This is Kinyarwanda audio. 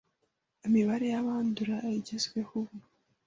imibare y' Abanduye igezweho ubu